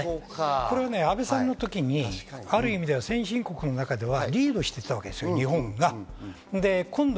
これを安倍さんの時にある意味、先進国の中ではリードしていた、日本が。